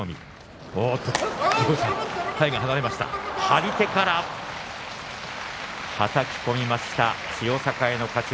張り手からはたき込みました千代栄の勝ち。